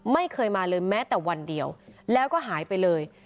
ไม่เคยมาเลยแม้แต่วันเดียวแล้วก็หายไปเลย